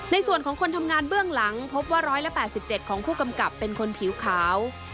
ในส่วนของคนทำงานเบื้องหลังพบว่า๑๘๗ของผู้กำกับเป็นคนผิวขาว